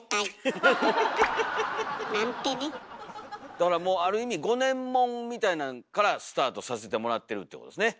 だからもうある意味５年物みたいなんからスタートさせてもらってるってことですね。